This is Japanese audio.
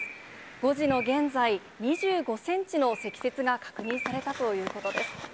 ５時の現在、２５センチの積雪が確認されたということです。